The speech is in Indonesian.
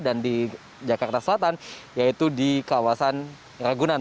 dan di jakarta selatan yaitu di kawasan ragunan